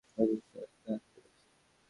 ক্ষতিগ্রস্থদের হাসপাতালে আনতে বলেছে।